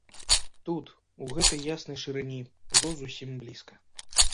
Тут, у гэтай яснай шырыні, ужо зусім блізка!